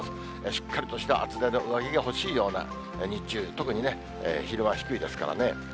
しっかりとした厚手の上着が欲しいような、日中、特にね、昼間、低いですからね。